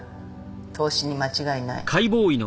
凍死に間違いない。